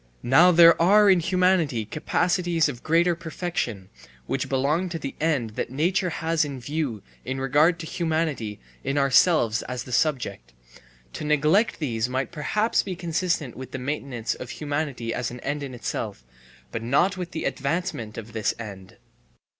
Now there are in humanity capacities of greater perfection, which belong to the end that nature has in view in regard to humanity in ourselves as the subject: to neglect these might perhaps be consistent with the maintenance of humanity as an end in itself, but not with the advancement of this end.